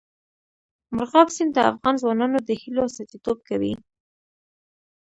مورغاب سیند د افغان ځوانانو د هیلو استازیتوب کوي.